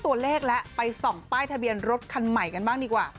ตัวเลขแล้วไปส่องป้ายทะเบียนรถคันใหม่กันบ้างดีกว่า